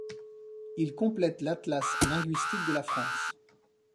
Il complète l’Atlas linguistique de la France.